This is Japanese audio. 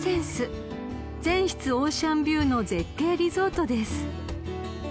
［全室オーシャンビューの絶景リゾートです］